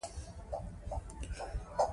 دا پيسې د معارف د پياوړتيا لپاره وې.